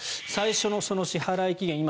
最初の支払期限